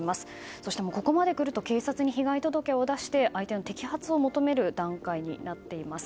そして、ここまで来ると警察に被害届を出して相手の摘発を求める段階になっています。